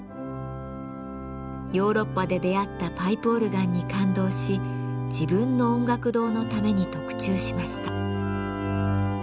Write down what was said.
ヨーロッパで出会ったパイプオルガンに感動し自分の音楽堂のために特注しました。